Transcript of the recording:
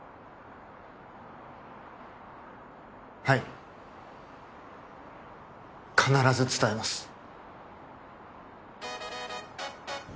はい必ず伝えます